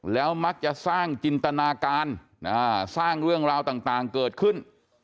แล้วมักจะสร้างจินตนาการสร้างเรื่องราวต่างเกิดขึ้น